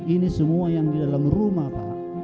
ini semua yang di dalam rumah pak